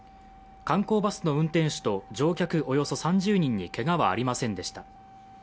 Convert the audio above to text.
観光バスの運転手と乗客およそ３０人にけがはありませんでした。